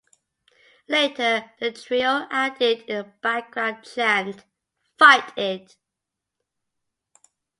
Later, the trio added in the background chant, fight it!